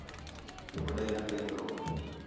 کہ وݙائی نہ کَئی کرو